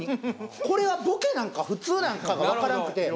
これはボケなんか普通なんかが分からんくて。